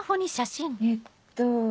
えっと。